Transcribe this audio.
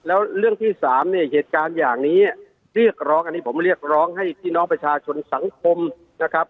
แล้วเรื่องที่สามเนี่ยเหตุการณ์อย่างนี้เรียกร้องอันนี้ผมเรียกร้องให้พี่น้องประชาชนสังคมนะครับ